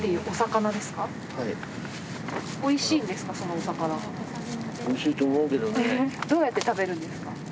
おいしいんですか？